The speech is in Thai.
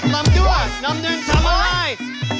ลำด้วยลำด้วยทำอะไร